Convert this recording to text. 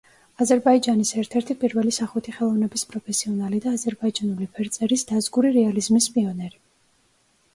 აზერბაიჯანის ერთ-ერთი პირველი სახვითი ხელოვნების პროფესიონალი და აზერბაიჯანული ფერწერის დაზგური რეალიზმის პიონერი.